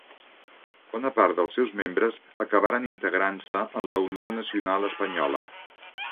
Bona part dels seus membres acabaren integrant-se en la Unió Nacional Espanyola.